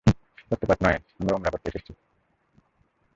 রক্তপাত নয় আমরা উমরা করতে এসেছি।